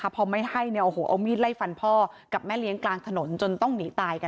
พอไม่ให้เอามีดไล่ฟันพ่อกับแม่เลี้ยงกลางถนนจนต้องหนีตายกัน